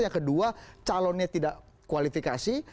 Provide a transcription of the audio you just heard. yang kedua calonnya tidak kualifikasi